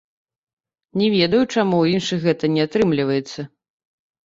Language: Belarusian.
Не ведаю, чаму ў іншых гэта не атрымліваецца.